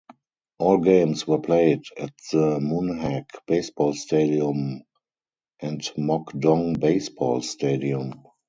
All games were played at the Munhak Baseball Stadium and Mokdong Baseball Stadium.